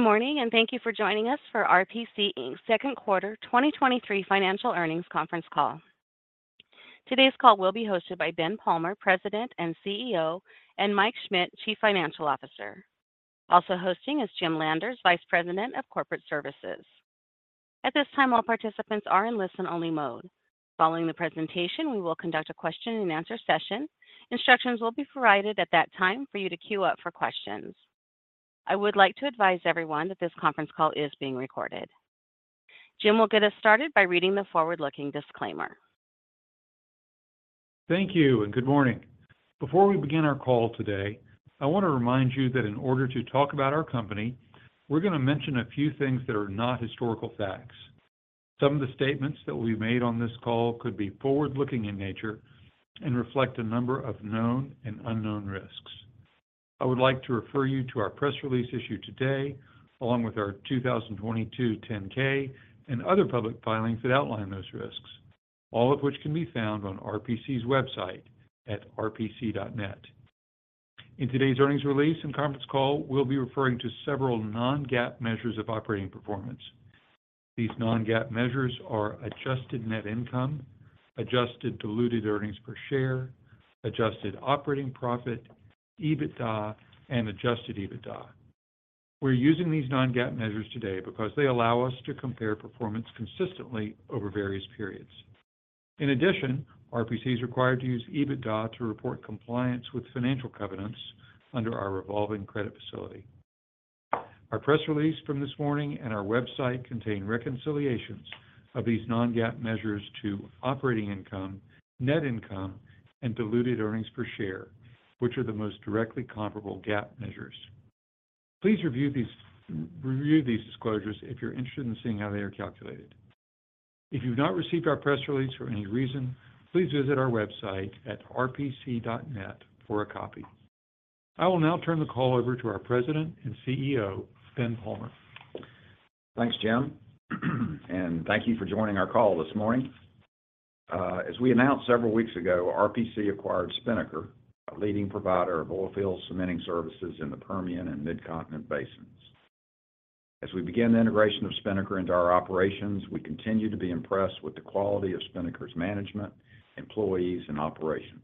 Good morning, and thank you for joining us for RPC, Inc's 2nd quarter 2023 financial earnings conference call. Today's call will be hosted by Ben Palmer, President and CEO, and Mike Schmit, Chief Financial Officer. Also hosting is Jim Landers, Vice President of Corporate Services. At this time, all participants are in listen-only mode. Following the presentation, we will conduct a question-and-answer session. Instructions will be provided at that time for you to queue up for questions. I would like to advise everyone that this conference call is being recorded. Jim will get us started by reading the forward-looking disclaimer. Thank you, and good morning. Before we begin our call today, I want to remind you that in order to talk about our company, we're gonna mention a few things that are not historical facts. Some of the statements that will be made on this call could be forward-looking in nature and reflect a number of known and unknown risks. I would like to refer you to our press release issued today, along with our 2022 10-K and other public filings that outline those risks, all of which can be found on RPC's website at rpc.net. In today's earnings release and conference call, we'll be referring to several non-GAAP measures of operating performance. These non-GAAP measures are: adjusted net income, adjusted diluted earnings per share, adjusted operating profit, EBITDA, and Adjusted EBITDA. We're using these non-GAAP measures today because they allow us to compare performance consistently over various periods. RPC is required to use EBITDA to report compliance with financial covenants under our revolving credit facility. Our press release from this morning and our website contain reconciliations of these non-GAAP measures to operating income, net income, and diluted earnings per share, which are the most directly comparable GAAP measures. Please review these disclosures if you're interested in seeing how they are calculated. If you've not received our press release for any reason, please visit our website at rpc.net for a copy. I will now turn the call over to our President and CEO, Ben Palmer. Thanks, Jim, thank you for joining our call this morning. As we announced several weeks ago, RPC acquired Spinnaker, a leading provider of oilfield cementing services in the Permian and Mid-Continent basins. As we begin the integration of Spinnaker into our operations, we continue to be impressed with the quality of Spinnaker's management, employees, and operations.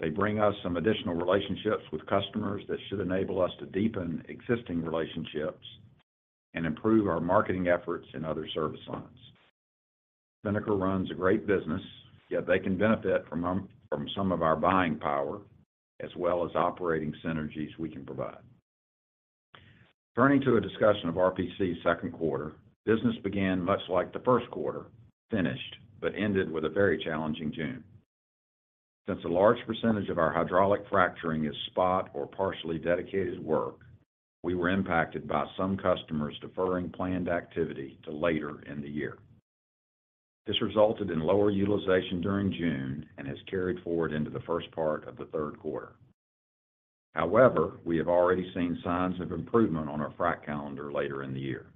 They bring us some additional relationships with customers that should enable us to deepen existing relationships and improve our marketing efforts in other service lines. Spinnaker runs a great business, yet they can benefit from some of our buying power, as well as operating synergies we can provide. Turning to a discussion of RPC's second quarter, business began much like the first quarter, finished, but ended with a very challenging June. Since a large percentage of our hydraulic fracturing is spot or partially dedicated work, we were impacted by some customers deferring planned activity to later in the year. This resulted in lower utilization during June and has carried forward into the first part of the third quarter. We have already seen signs of improvement on our frac calendar later in the year.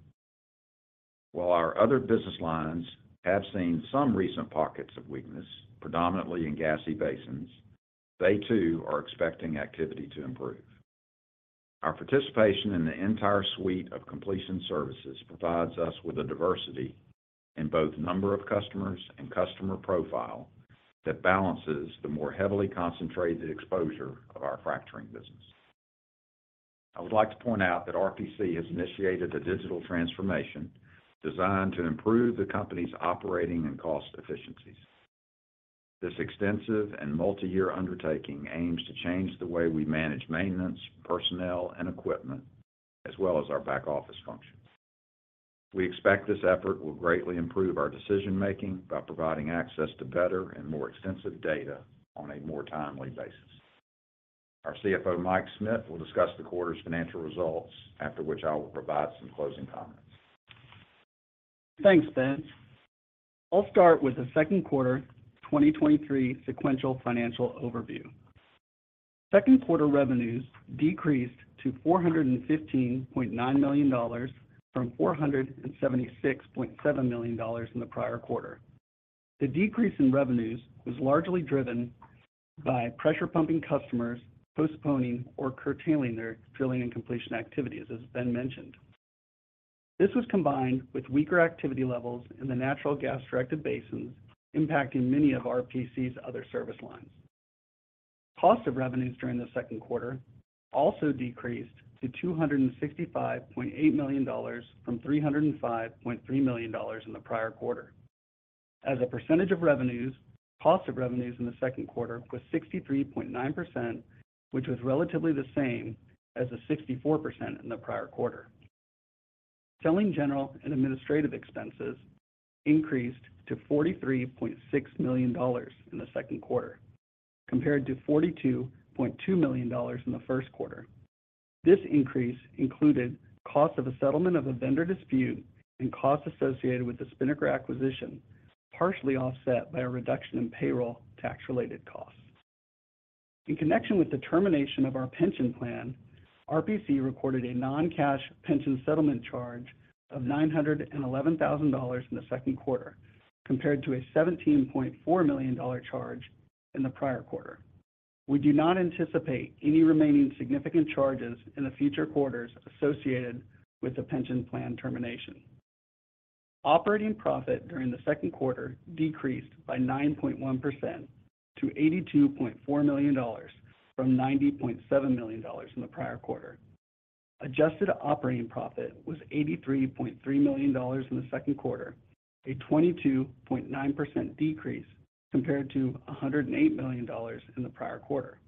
While our other business lines have seen some recent pockets of weakness, predominantly in gassy basins, they too are expecting activity to improve. Our participation in the entire suite of completion services provides us with a diversity in both number of customers and customer profile that balances the more heavily concentrated exposure of our fracturing business. I would like to point out that RPC has initiated a digital transformation designed to improve the company's operating and cost efficiencies. This extensive and multi-year undertaking aims to change the way we manage maintenance, personnel, and equipment, as well as our back-office functions. We expect this effort will greatly improve our decision-making by providing access to better and more extensive data on a more timely basis. Our CFO, Mike Schmit, will discuss the quarter's financial results, after which I will provide some closing comments. Thanks, Ben. I'll start with the second quarter 2023 sequential financial overview. Second quarter revenues decreased to $415.9 million from $476.7 million in the prior quarter. The decrease in revenues was largely driven by pressure pumping customers postponing or curtailing their drilling and completion activities, as Ben mentioned. This was combined with weaker activity levels in the natural gas-directed basins, impacting many of RPC's other service lines. Cost of revenues during the second quarter also decreased to $265.8 million from $305.3 million in the prior quarter. As a percentage of revenues, cost of revenues in the second quarter was 63.9%, which was relatively the same as the 64% in the prior quarter. Selling, general, and administrative expenses increased to $43.6 million in the second quarter, compared to $42.2 million in the first quarter. This increase included cost of a settlement of a vendor dispute and costs associated with the Spinnaker acquisition, partially offset by a reduction in payroll tax-related costs. In connection with the termination of our pension plan, RPC recorded a non-cash pension settlement charge of $911,000 in the second quarter, compared to a $17.4 million charge in the prior quarter. We do not anticipate any remaining significant charges in the future quarters associated with the pension plan termination. Operating profit during the second quarter decreased by 9.1% to $82.4 million, from $90.7 million in the prior quarter. Adjusted operating profit was $83.3 million in the second quarter, a 22.9% decrease compared to $108 million in the prior quarter.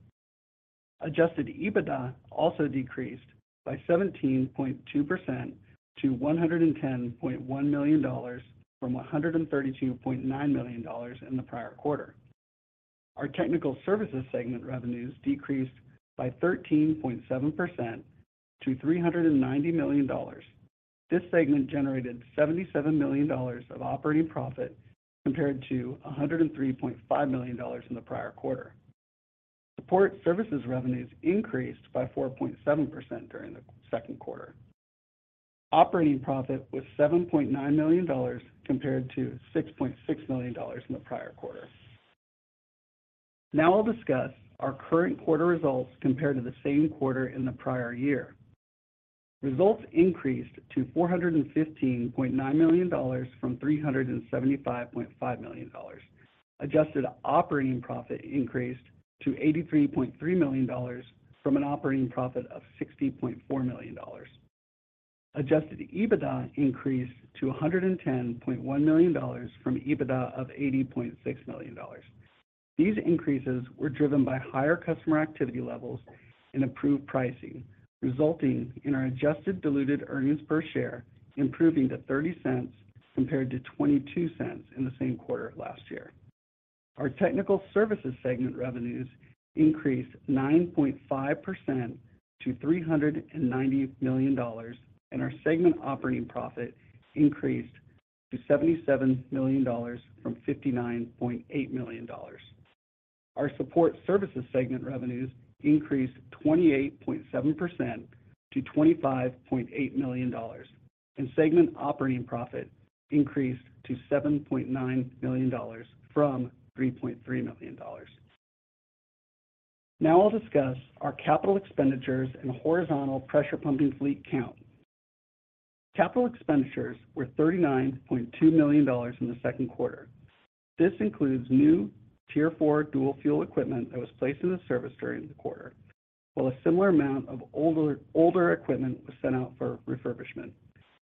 Adjusted EBITDA also decreased by 17.2% to $110.1 million, from $132.9 million in the prior quarter. Our Technical Services segment revenues decreased by 13.7% to $390 million. This segment generated $77 million of operating profit, compared to $103.5 million in the prior quarter. Support Services revenues increased by 4.7% during the second quarter. Operating profit was $7.9 million, compared to $6.6 million in the prior quarter. I'll discuss our current quarter results compared to the same quarter in the prior year. Results increased to $415.9 million from $375.5 million. Adjusted operating profit increased to $83.3 million, from an operating profit of $60.4 million. Adjusted EBITDA increased to $110.1 million, from EBITDA of $80.6 million. These increases were driven by higher customer activity levels and improved pricing, resulting in our adjusted diluted earnings per share, improving to $0.30 compared to $0.22 in the same quarter last year. Our Technical Services segment revenues increased 9.5% to $390 million, and our segment operating profit increased to $77 million from $59.8 million. Our Support Services segment revenues increased 28.7% to $25.8 million, and segment operating profit increased to $7.9 million from $3.3 million. I'll discuss our capital expenditures and horizontal pressure pumping fleet count. Capital expenditures were $39.2 million in the second quarter. This includes new Tier 4 dual-fuel equipment that was placed in the service during the quarter, while a similar amount of older equipment was sent out for refurbishment.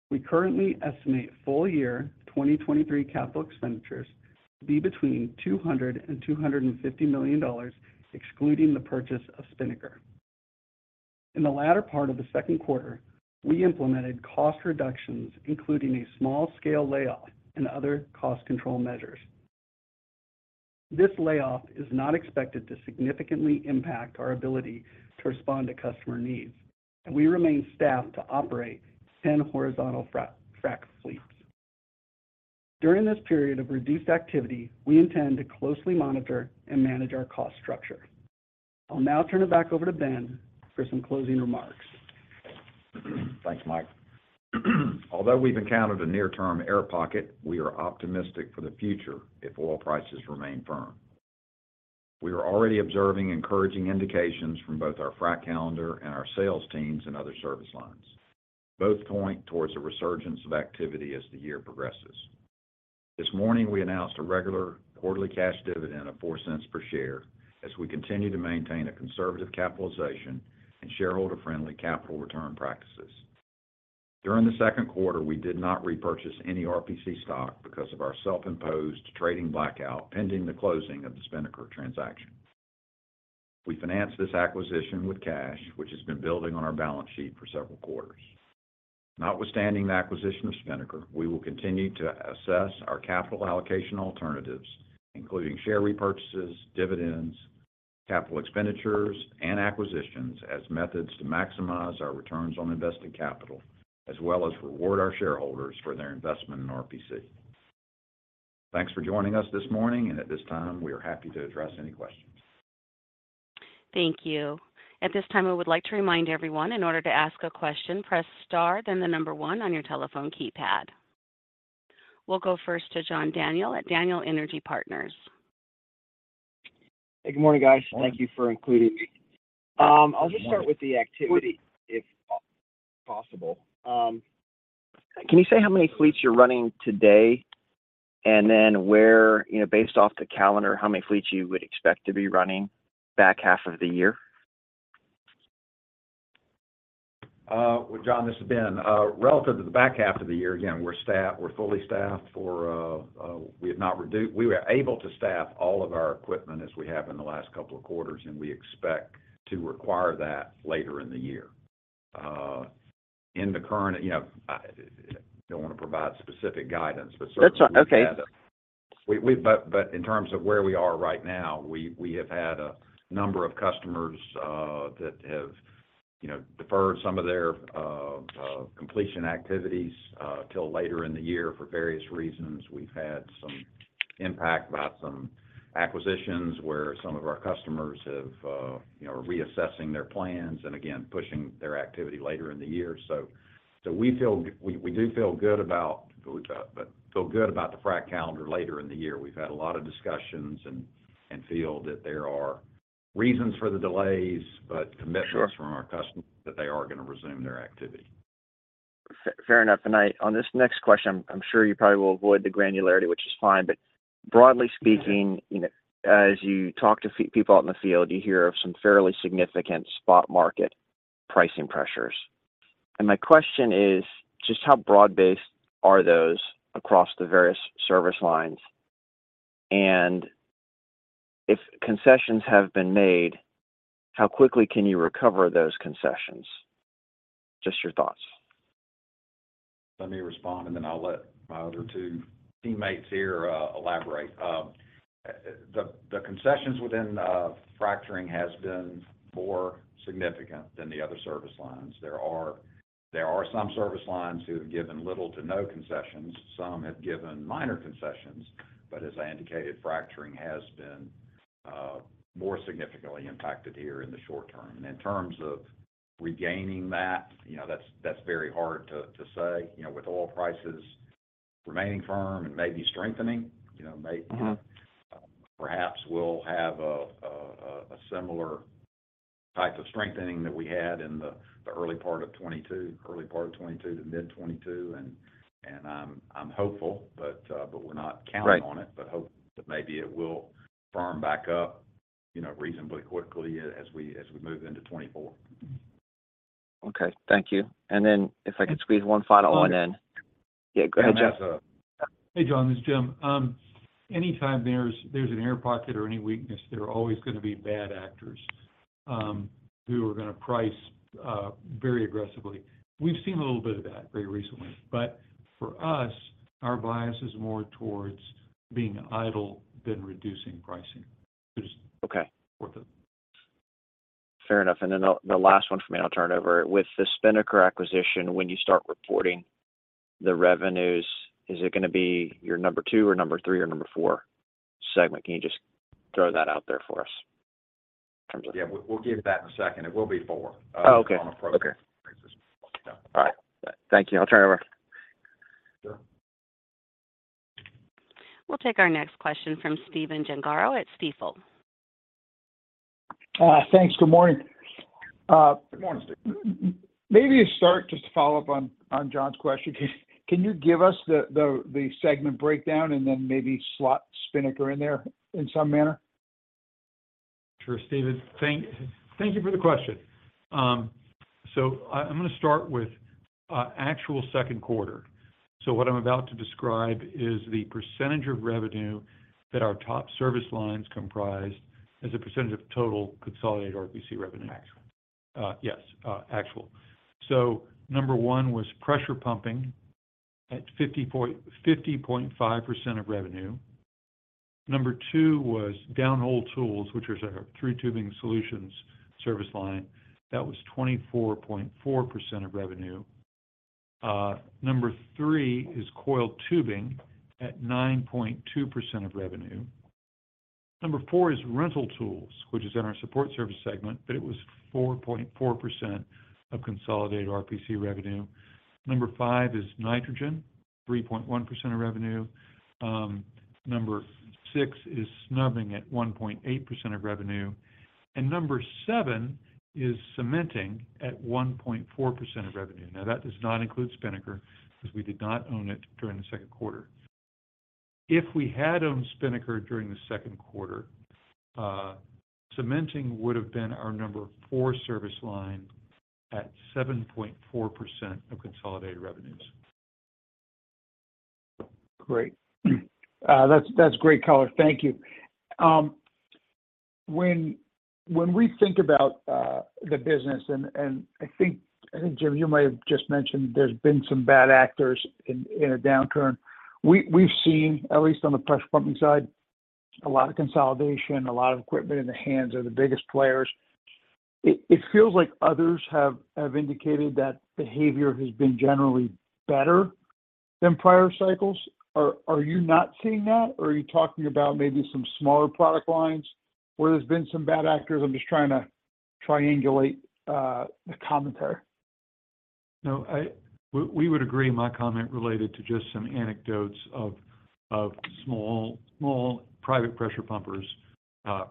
We currently estimate full year 2023 capital expenditures to be between $200 million-$250 million, excluding the purchase of Spinnaker. In the latter part of the second quarter, we implemented cost reductions, including a small-scale layoff and other cost control measures. This layoff is not expected to significantly impact our ability to respond to customer needs. We remain staffed to operate 10 horizontal frac fleets. During this period of reduced activity, we intend to closely monitor and manage our cost structure. I'll now turn it back over to Ben for some closing remarks. Thanks, Mike. Although we've encountered a near-term air pocket, we are optimistic for the future if oil prices remain firm. We are already observing encouraging indications from both our frac calendar and our sales teams and other service lines. Both point towards a resurgence of activity as the year progresses. This morning, we announced a regular quarterly cash dividend of $0.04 per share, as we continue to maintain a conservative capitalization and shareholder-friendly capital return practices. During the second quarter, we did not repurchase any RPC stock because of our self-imposed trading blackout, pending the closing of the Spinnaker transaction. We financed this acquisition with cash, which has been building on our balance sheet for several quarters. Notwithstanding the acquisition of Spinnaker, we will continue to assess our capital allocation alternatives, including share repurchases, dividends, capital expenditures, and acquisitions, as methods to maximize our returns on invested capital, as well as reward our shareholders for their investment in RPC. Thanks for joining us this morning, and at this time, we are happy to address any questions. Thank you. At this time, I would like to remind everyone, in order to ask a question, press star, then one on your telephone keypad. We'll go first to John Daniel at Daniel Energy Partners. Good morning, guys. Good morning. Thank you for including me. I'll just start with the activity, if possible. Can you say how many fleets you're running today? Where, you know, based off the calendar, how many fleets you would expect to be running back half of the year? Well, John, this is Ben. Relative to the back half of the year, again, we're fully staffed for. We were able to staff all of our equipment as we have in the last couple of quarters, and we expect to require that later in the year. In the current, you know, I don't want to provide specific guidance, but certainly. That's okay. In terms of where we are right now, we have had a number of customers that have, you know, deferred some of their completion activities till later in the year for various reasons. We've had some impact by some acquisitions, where some of our customers have, you know, reassessing their plans and again, pushing their activity later in the year. We do feel good about, but feel good about the frac calendar later in the year. We've had a lot of discussions and feel that there are reasons for the delays- Sure ...commitments from our customers that they are gonna resume their activity. Fair enough. On this next question, I'm sure you probably will avoid the granularity, which is fine. Broadly speaking, you know, as you talk to people out in the field, you hear of some fairly significant spot market pricing pressures. My question is, just how broad-based are those across the various service lines? If concessions have been made, how quickly can you recover those concessions? Just your thoughts. Let me respond, and then I'll let my other two teammates here, elaborate. The concessions within fracturing has been more significant than the other service lines. There are some service lines who have given little to no concessions. Some have given minor concessions, but as I indicated, fracturing has been more significantly impacted here in the short term. In terms of regaining that, you know, that's very hard to say. You know, with oil prices remaining firm and maybe strengthening, you know perhaps we'll have a similar type of strengthening that we had in the early part of 2022 to mid 2022. I'm hopeful, but we're not counting on it- Right... but hope that maybe it will firm back up, you know, reasonably quickly as we, as we move into 2024. Okay, thank you. If I could squeeze one final one in? Sure. Yeah, go ahead, Jim. Hey, John, this is Jim. Anytime there's an air pocket or any weakness, there are always gonna be bad actors who are gonna price very aggressively. We've seen a little bit of that very recently. For us, our bias is more towards being idle than reducing pricing. Okay worth it. Fair enough. The last one for me, I'll turn it over. With the Spinnaker acquisition, when you start reporting the revenues, is it going to be your number two, or number three, or number four segment? Can you just throw that out there for us in terms of? Yeah, we'll give that in a second. It will be four- Oh, okay. ...on approach. Okay. Yeah. All right. Thank you. I'll turn it over. Sure. We'll take our next question from Stephen Gengaro at Stifel. Thanks. Good morning. Good morning, Stephen. Maybe to start, just to follow up on John's question, can you give us the segment breakdown, and then maybe slot Spinnaker in there in some manner? Sure, Stephen. Thank you for the question. I'm gonna start with actual second quarter. What I'm about to describe is the % of revenue that our top service lines comprised as a % of total consolidated RPC revenue. Actual. Yes, actual. Number 1 was pressure pumping at 50.5% of revenue. Number 2 was downhole tools, which was our Thru Tubing Solutions service line. That was 24.4% of revenue. Number 3 is coiled tubing at 9.2% of revenue. Number 4 is rental tools, which is in our Support Services segment, but it was 4.4% of consolidated RPC revenue. Number 5 is nitrogen, 3.1% of revenue. Number 6 is snubbing at 1.8% of revenue. Number 7 is cementing at 1.4% of revenue. Now, that does not include Spinnaker because we did not own it during the second quarter. If we had owned Spinnaker during the second quarter, cementing would have been our number four service line at 7.4% of consolidated revenues. Great. That's great color. Thank you. When we think about the business, and I think Jim, you may have just mentioned there's been some bad actors in a downturn. We've seen, at least on the pressure pumping side, a lot of consolidation, a lot of equipment in the hands of the biggest players. It feels like others have indicated that behavior has been generally better than prior cycles. Are you not seeing that, or are you talking about maybe some smaller product lines where there's been some bad actors? I'm just trying to triangulate the commentary. No, we would agree. My comment related to just some anecdotes of small private pressure pumpers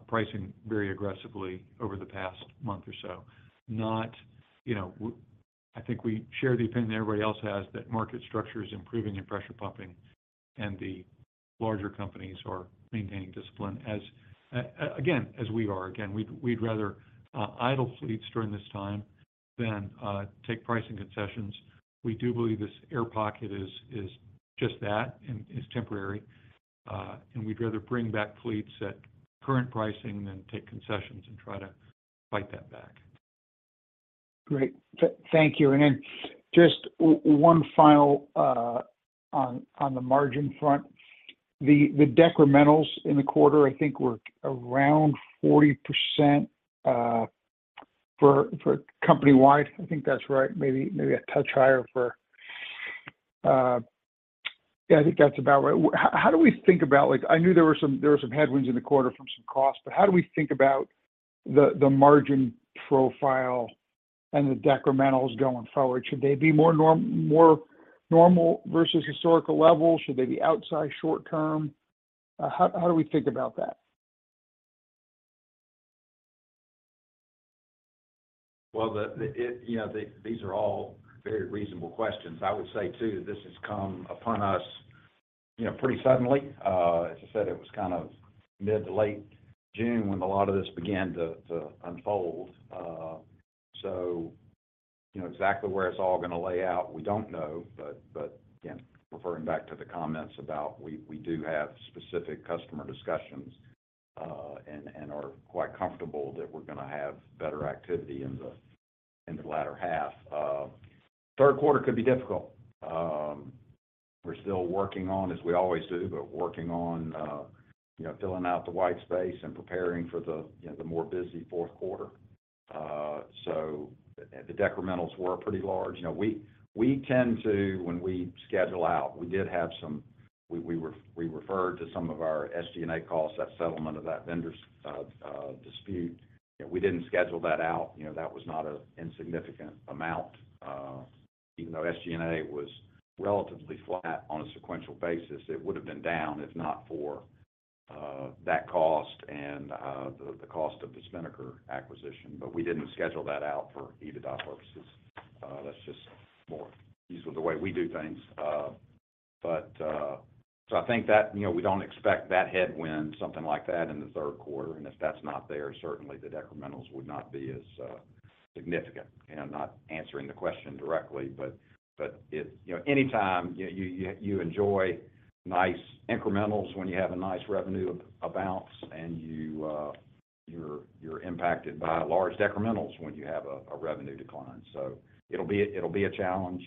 pricing very aggressively over the past month or so. Not, you know, I think we share the opinion that everybody else has, that market structure is improving in pressure pumping, and the larger companies are maintaining discipline as again, as we are. Again, we'd rather idle fleets during this time than take pricing concessions. We do believe this air pocket is just that, and is temporary, and we'd rather bring back fleets at current pricing than take concessions and try to fight that back. Great. Thank you. Then just one final on the margin front. The decrementals in the quarter, I think, were around 40% for company-wide. I think that's right. Maybe a touch higher for. Yeah, I think that's about right. How do we think about like I knew there were some headwinds in the quarter from some costs, how do we think about the margin profile and the decrementals going forward? Should they be more normal versus historical levels? Should they be outside short term? How do we think about that? Well, you know, these are all very reasonable questions. I would say, too, this has come upon us, you know, pretty suddenly. As I said, it was kind of mid to late June when a lot of this began to unfold. You know, exactly where it's all gonna lay out, we don't know. Again, referring back to the comments about we do have specific customer discussions, and are quite comfortable that we're gonna have better activity in the latter half. Third quarter could be difficult. We're still working on, as we always do, but working on, you know, filling out the white space and preparing for the, you know, the more busy fourth quarter. The decrementals were pretty large. You know, we tend to, when we schedule out, we referred to some of our SG&A costs, that settlement of that vendor's dispute. We didn't schedule that out. You know, that was not an insignificant amount. Even though SG&A was relatively flat on a sequential basis, it would have been down if not for that cost and the cost of the Spinnaker acquisition. We didn't schedule that out for EBITDA purposes. That's just more usually the way we do things. I think that, you know, we don't expect that headwind, something like that, in the third quarter. If that's not there, certainly the decrementals would not be as significant. I'm not answering the question directly, but it. You know, anytime you enjoy nice incrementals when you have a nice revenue bounce. You're impacted by large decrementals when you have a revenue decline. It'll be a challenge,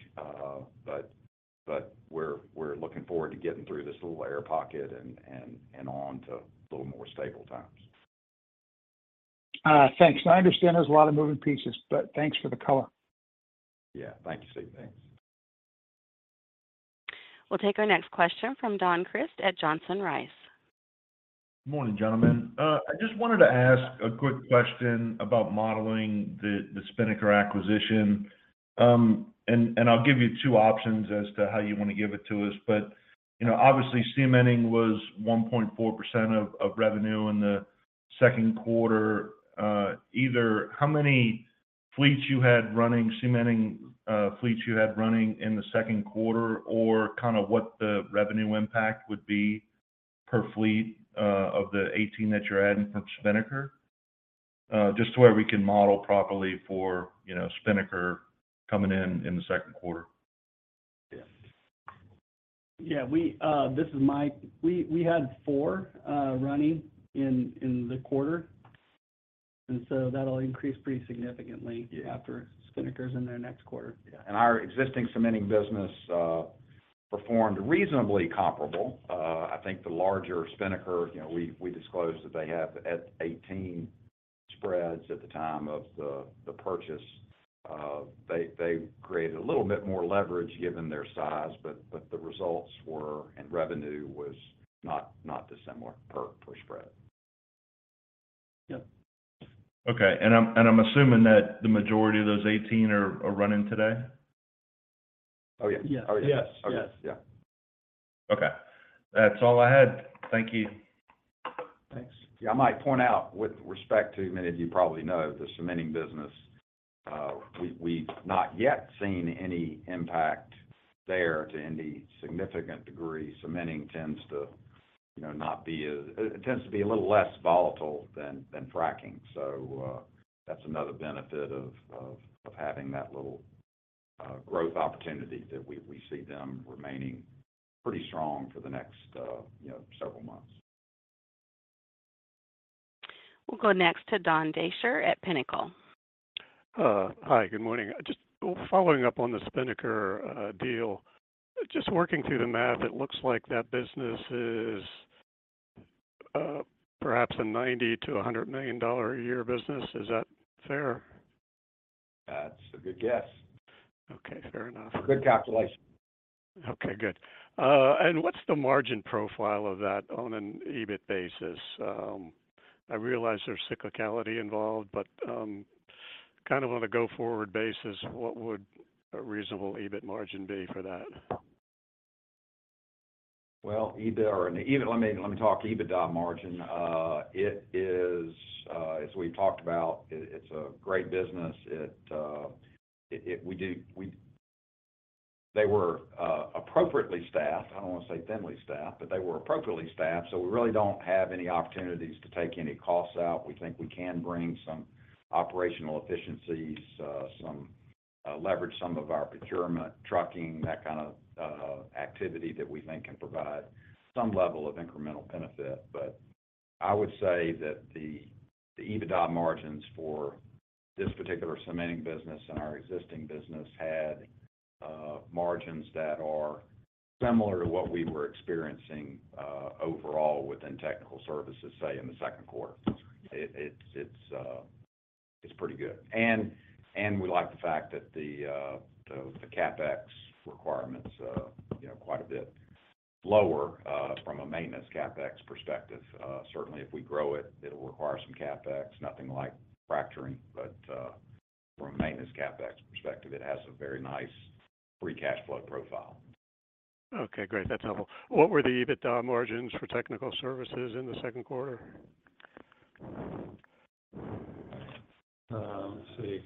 but we're looking forward to getting through this little air pocket and on to a little more stable times. Thanks. I understand there's a lot of moving pieces, but thanks for the color. Yeah. Thank you, Steve. Thanks. We'll take our next question from Don Crist at Johnson Rice. Good morning, gentlemen. I just wanted to ask a quick question about modeling the Spinnaker acquisition. I'll give you two options as to how you want to give it to us. You know, obviously, cementing was 1.4% of revenue in the second quarter. Either how many fleets you had running, cementing fleets you had running in the second quarter, or kind of what the revenue impact would be per fleet of the 18 that you're adding from Spinnaker? Just so where we can model properly for Spinnaker coming in in the second quarter. Yeah. Yeah, we-- This is Mike. We had four running in the quarter, and so that'll increase pretty significantly. Yeah ..after Spinnaker's in there next quarter. Yeah. Our existing cementing business performed reasonably comparable. I think the larger Spinnaker, you know, we disclosed that they have 18 spreads at the time of the purchase. They created a little bit more leverage given their size, but the results were, and revenue was not dissimilar per spread. Yeah. Okay. I'm assuming that the majority of those 18 are running today? Oh, yeah. Yeah. Oh, yeah. Yes, yes. Yeah. Okay. That's all I had. Thank you. Thanks. Yeah, I might point out, with respect to, many of you probably know, the cementing business, we've not yet seen any impact there to any significant degree. Cementing tends to, you know, it tends to be a little less volatile than fracking. That's another benefit of having that little growth opportunity, that we see them remaining pretty strong for the next, you know, several months. We'll go next to Don Dasher at Pinnacle. Hi, good morning. Just following up on the Spinnaker deal. Just working through the math, it looks like that business is perhaps a $90 million-$100 million a year business. Is that fair? That's a good guess. Okay, fair enough. Good calculation. Okay, good. What's the margin profile of that on an EBIT basis? I realize there's cyclicality involved, but, kind of on a go-forward basis, what would a reasonable EBIT margin be for that? Well, EBIT or EBIT, let me talk EBITDA margin. It is, as we've talked about, it's a great business. They were appropriately staffed. I don't want to say thinly staffed, but they were appropriately staffed, we really don't have any opportunities to take any costs out. We think we can bring some operational efficiencies, some leverage some of our procurement, trucking, that kind of activity that we think can provide some level of incremental benefit. I would say that the EBITDA margins for this particular cementing business and our existing business had margins that are similar to what we were experiencing overall within Technical Services, say, in the second quarter. It's pretty good. We like the fact that the CapEx requirements are, you know, quite a bit lower, from a maintenance CapEx perspective. Certainly, if we grow it'll require some CapEx, nothing like fracturing, but from a maintenance CapEx perspective, it has a very nice free cash flow profile. Okay, great. That's helpful. What were the EBITDA margins for Technical Services in the second quarter? Let's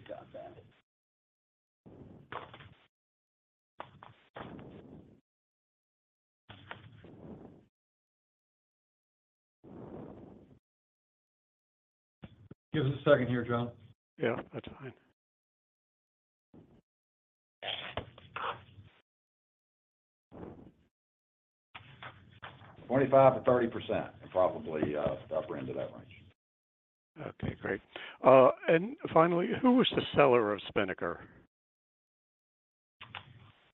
see. I've got that. Give us a second here, John. Yeah, that's fine. 25%-30%, and probably, the upper end of that range. Okay, great. Finally, who was the seller of Spinnaker?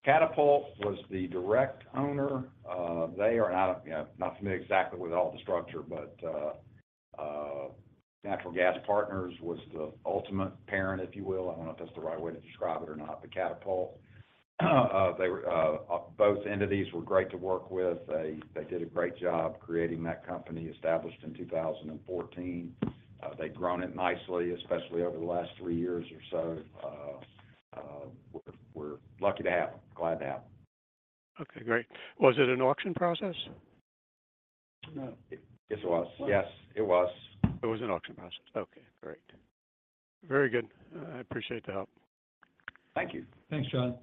Catapult was the direct owner. They are not familiar exactly with all the structure, but Natural Gas Partners was the ultimate parent, if you will. I don't know if that's the right way to describe it or not, but Catapult. They were both entities were great to work with. They did a great job creating that company, established in 2014. They've grown it nicely, especially over the last 3 years or so. We're lucky to have them. Glad to have them. Okay, great. Was it an auction process? No. Yes, it was. Yes, it was. It was an auction process. Okay, great. Very good. I appreciate the help. Thank you. Thanks, John.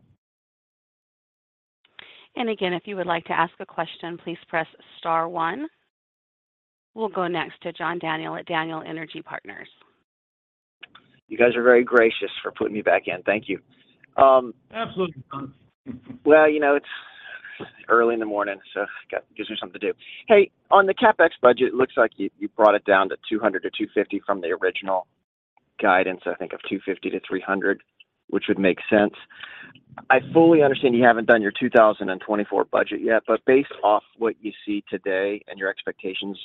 Again, if you would like to ask a question, please press star one. We'll go next to John Daniel at Daniel Energy Partners. You guys are very gracious for putting me back in. Thank you. Absolutely, John. You know, it's early in the morning, gives me something to do. Hey, on the CapEx budget, it looks like you brought it down to $200-$250 from the original guidance, I think, of $250-$300, which would make sense. I fully understand you haven't done your 2024 budget yet, based off what you see today and your expectations,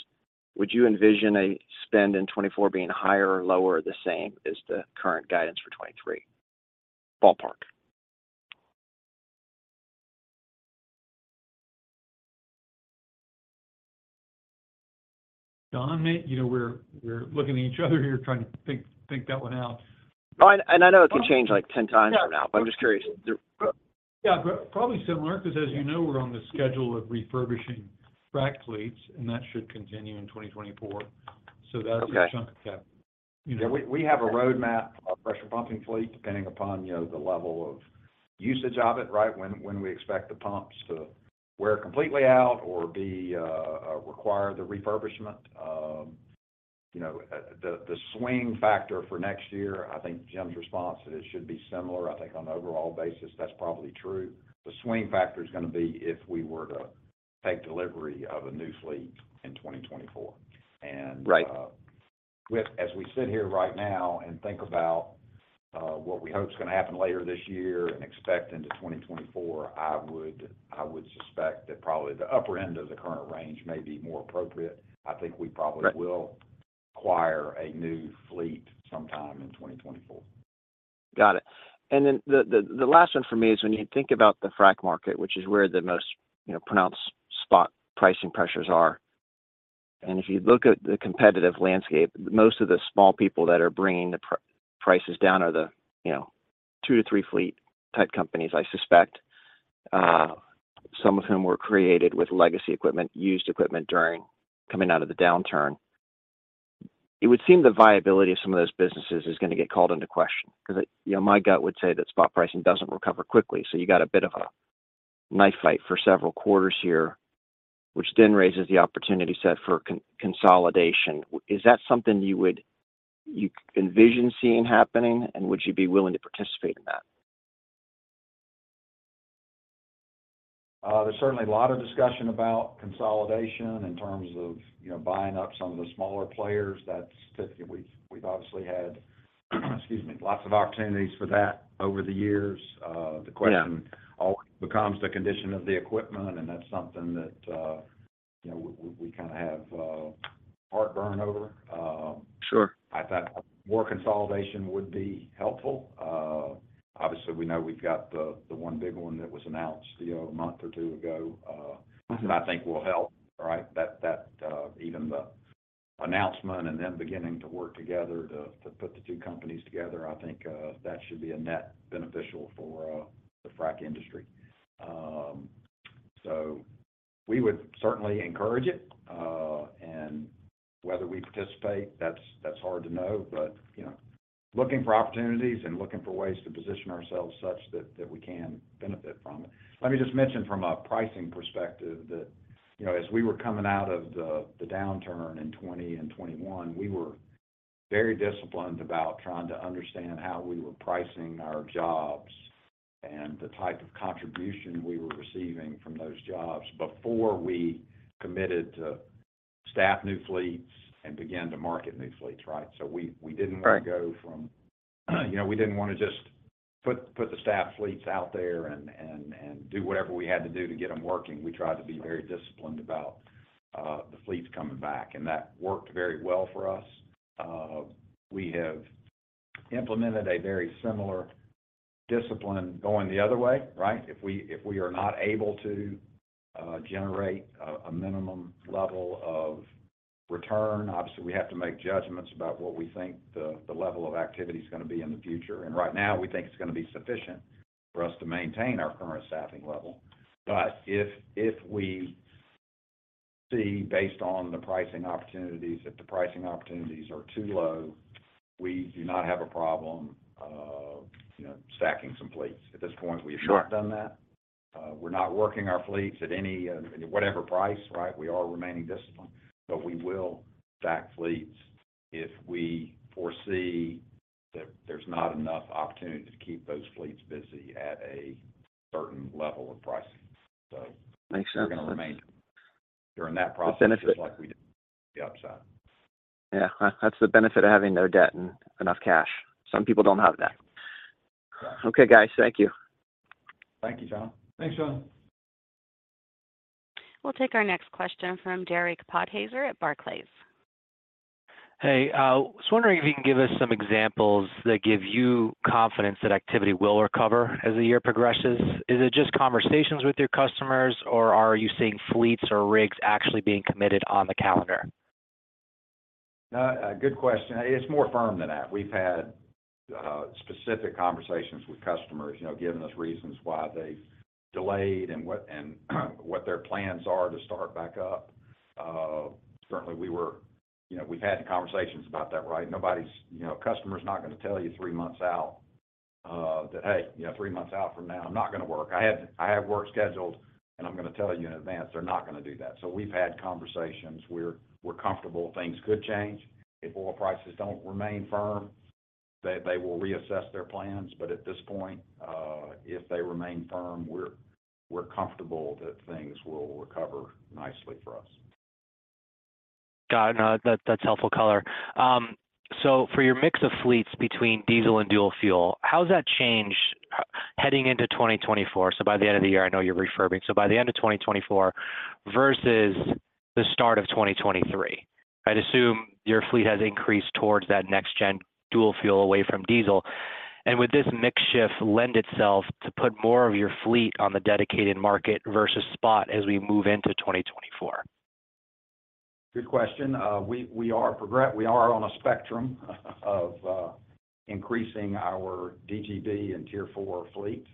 would you envision a spend in 2024 being higher or lower or the same as the current guidance for 2023? Ballpark. John, maybe... You know, we're looking at each other here trying to think that one out. I know it can change, like, 10x from now. Yeah I'm just curious. Yeah, probably similar, because as you know, we're on the schedule of refurbishing frac fleets, and that should continue in 2024. Okay. That's a junk of cat. Yeah, we have a roadmap of pressure pumping fleet, depending upon, you know, the level of usage of it, right? When we expect the pumps to wear completely out or be, require the refurbishment. You know, the swing factor for next year, I think Jim's response, that it should be similar, I think on an overall basis, that's probably true. The swing factor is gonna be if we were to take delivery of a new fleet in 2024. Right. As we sit here right now and think about what we hope is gonna happen later this year and expect into 2024, I would suspect that probably the upper end of the current range may be more appropriate. Right. I think we probably will acquire a new fleet sometime in 2024. Got it. The last one for me is when you think about the frac market, which is where the most, you know, pronounced spot pricing pressures are, and if you look at the competitive landscape, most of the small people that are bringing the prices down are the, you know, two to three fleet type companies, I suspect, some of whom were created with legacy equipment, used equipment coming out of the downturn. It would seem the viability of some of those businesses is gonna get called into question, 'cause, you know, my gut would say that spot pricing doesn't recover quickly, so you got a bit of a knife fight for several quarters here, which then raises the opportunity set for consolidation. Is that something you envision seeing happening, and would you be willing to participate in that? There's certainly a lot of discussion about consolidation in terms of, you know, buying up some of the smaller players. That's typically... We've obviously had, excuse me, lots of opportunities for that over the years- Yeah... the question always becomes the condition of the equipment, and that's something that, you know, we kind of have heartburn over. Sure. I thought more consolidation would be helpful. Obviously, we know we've got the one big one that was announced, you know, a month or two ago that I think will help, right? That, even the announcement and them beginning to work together to put the two companies together, I think that should be a net beneficial for the frac industry. We would certainly encourage it, and whether we participate, that's hard to know. You know, looking for opportunities and looking for ways to position ourselves such that we can benefit from it. Let me just mention from a pricing perspective that, you know, as we were coming out of the downturn in 2020 and 2021, we were very disciplined about trying to understand how we were pricing our jobs and the type of contribution we were receiving from those jobs before we committed to staff new fleets and began to market new fleets, right? We didn't- Right... you know, we didn't want to just put the staff fleets out there and do whatever we had to do to get them working. We tried to be very disciplined about the fleets coming back, and that worked very well for us. We have implemented a very similar discipline going the other way, right? If we are not able to generate a minimum level of return, obviously, we have to make judgments about what we think the level of activity is gonna be in the future. And right now, we think it's gonna be sufficient for us to maintain our current staffing level. But if we see, based on the pricing opportunities, that the pricing opportunities are too low, we do not have a problem, you know, stacking some fleets. At this point, we have not done that. Sure. We're not working our fleets at any whatever price, right? We are remaining disciplined, but we will stack fleets if we foresee that there's not enough opportunity to keep those fleets busy at a certain level of pricing. Makes sense. We're going to remain during that process- The benefit-. -just like we did the upside. Yeah, that's the benefit of having no debt and enough cash. Some people don't have that. Correct. Okay, guys. Thank you. Thank you, John. Thanks, John. We'll take our next question from Derek Podhaizer at Barclays. Hey, I was wondering if you can give us some examples that give you confidence that activity will recover as the year progresses. Is it just conversations with your customers, or are you seeing fleets or rigs actually being committed on the calendar? A good question. It's more firm than that. We've had specific conversations with customers, you know, giving us reasons why they've delayed, and what their plans are to start back up. Certainly, you know, we've had conversations about that, right? You know, a customer's not gonna tell you three months out that, "Hey, you know, three months out from now, I'm not gonna work. I have work scheduled, and I'm gonna tell you in advance." They're not gonna do that. We've had conversations. We're comfortable. Things could change. If oil prices don't remain firm, they will reassess their plans, but at this point, if they remain firm, we're comfortable that things will recover nicely for us. Got it. No, that's helpful color. For your mix of fleets between diesel and dual fuel, how has that changed heading into 2024? By the end of the year, I know you're refurbing. By the end of 2024 versus the start of 2023, I'd assume your fleet has increased towards that next-gen dual fuel away from diesel. Would this mix shift lend itself to put more of your fleet on the dedicated market versus spot as we move into 2024? Good question. We are on a spectrum, of, increasing our DGB and Tier 4 fleet.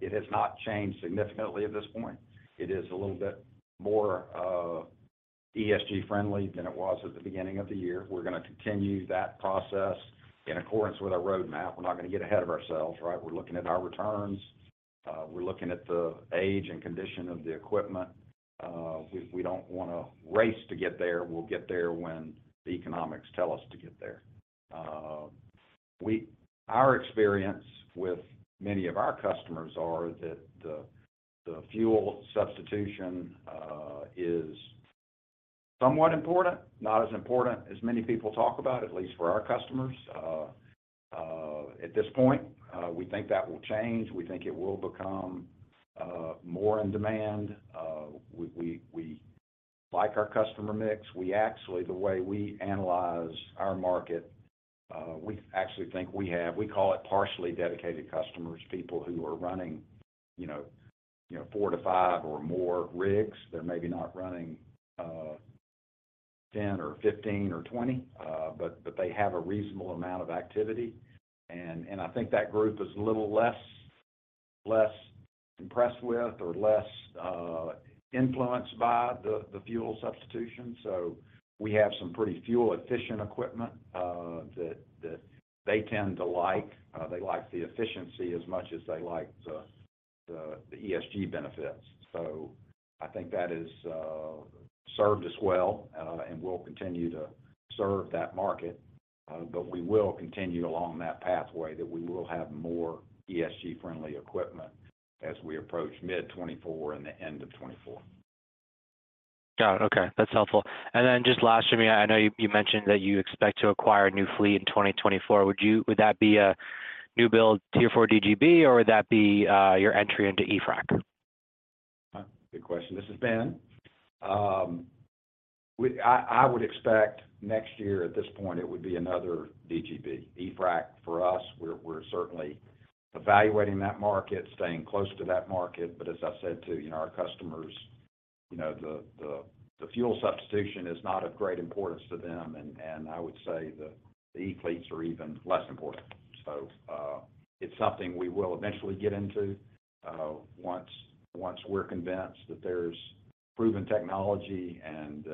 It has not changed significantly at this point. It is a little bit more, ESG friendly than it was at the beginning of the year. We're gonna continue that process in accordance with our roadmap. We're not gonna get ahead of ourselves, right? We're looking at our returns. We're looking at the age and condition of the equipment. We don't wanna race to get there. We'll get there when the economics tell us to get there. Our experience with many of our customers are that the fuel substitution, is somewhat important, not as important as many people talk about, at least for our customers. At this point, we think that will change. We think it will become more in demand. We like our customer mix. We actually, the way we analyze our market, we actually think we call it partially dedicated customers, people who are running, you know, you know, four to five or more rigs. They're maybe not running 10 or 15 or 20, but they have a reasonable amount of activity. I think that group is a little less impressed with or less influenced by the fuel substitution. We have some pretty fuel-efficient equipment that they tend to like. They like the efficiency as much as they like the ESG benefits. I think that has served us well and will continue to serve that market. We will continue along that pathway, that we will have more ESG-friendly equipment as we approach mid 2024 and the end of 2024. Got it. Okay, that's helpful. Then just last, Jimmy, I know you mentioned that you expect to acquire a new fleet in 2024. Would that be a new build Tier 4 DGB, or would that be your entry into e-frac? Good question. This is Ben. I would expect next year, at this point, it would be another DGB. e-frac, for us, we're certainly evaluating that market, staying close to that market, as I said to, you know, our customers, you know, the fuel substitution is not of great importance to them, and I would say the e-fleets are even less important. It's something we will eventually get into, once we're convinced that there's proven technology and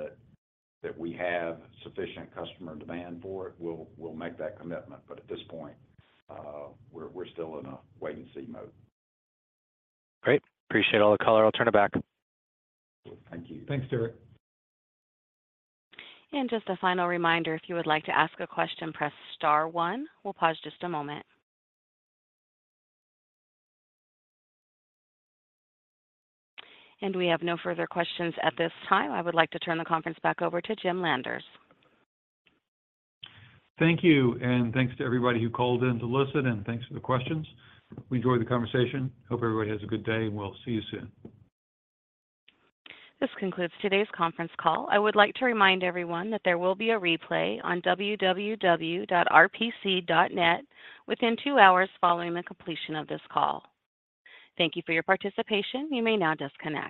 that we have sufficient customer demand for it, we'll make that commitment. At this point, we're still in a wait-and-see mode. Great. Appreciate all the color. I'll turn it back. Thank you. Thanks, Derek. Just a final reminder, if you would like to ask a question, press star one. We'll pause just a moment. We have no further questions at this time. I would like to turn the conference back over to Jim Landers. Thank you. Thanks to everybody who called in to listen. Thanks for the questions. We enjoyed the conversation. Hope everybody has a good day. We'll see you soon. This concludes today's conference call. I would like to remind everyone that there will be a replay on www.rpc.net within two hours following the completion of this call. Thank you for your participation. You may now disconnect.